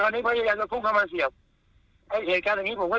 เขาไม่มีสิทธิ์ที่จะมาตัดแยะอะไรกับผมเลย